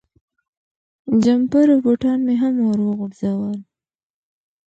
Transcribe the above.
جمپر او بوټان مې هم ور وغورځول.